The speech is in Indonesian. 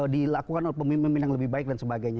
dilakukan oleh pemimpin yang lebih baik dan sebagainya